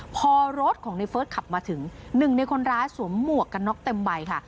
พอรถของในเฟิร์สขับมาถึงหนึ่งในคนร้ายสวมหมวกกันน็อกเต็มใบค่ะ